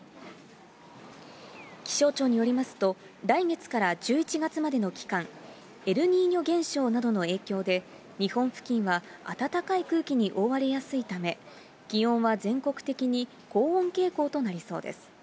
気象庁によりますと、来月から１１月までの期間、エルニーニョ現象などの影響で、日本付近は暖かい空気に覆われやすいため、気温は全国的に高温傾向となりそうです。